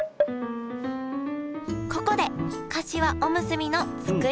ここでかしわおむすびの作り方を紹介！